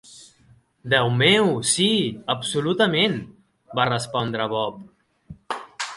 "Déu meu, sí, absolutament", va respondre Bob.